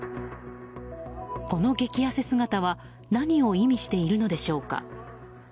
この激痩せ姿は何を意味しているのでしょうか。